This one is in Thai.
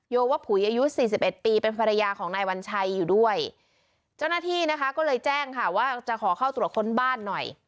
โยวะผุยอายุสี่สิบเอ็ดปีเป็นภรรยาของนายวัญชัยอยู่ด้วยเจ้าหน้าที่นะคะก็เลยแจ้งค่ะว่าจะขอเข้าตรวจค้นบ้านหน่อย